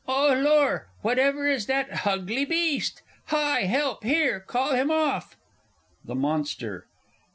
_ Oh, lor whatever is that hugly beast! Hi, help, here! call him off!... _The Monster.